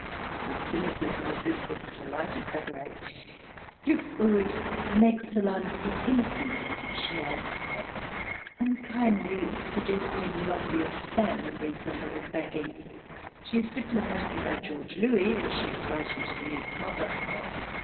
(The cynicism of this would have delighted Thackeray.) " Duke Ulrich makes Solane appear innocent," she adds, unkindly suggesting the obvious family reason for his backing. She is diplomatic about George Louis, as she is writing to the youth's mother.